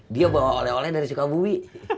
dia bawa oleh oleh dari sukabumi